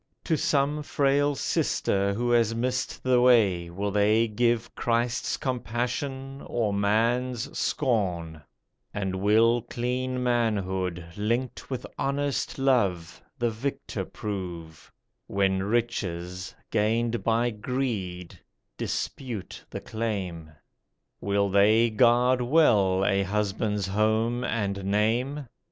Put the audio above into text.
To some frail sister who has missed the way Will they give Christ's compassion, or man's scorn; And will clean manhood, linked with honest love, The victor prove, When riches, gained by greed, dispute the claim? Will they guard well a husband's home and name.